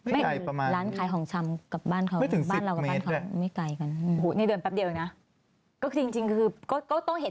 ไม่ได้สนิท